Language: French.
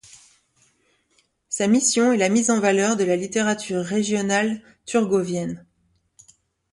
Sa mission est la mise en valeur de la littérature régionale thurgovienne.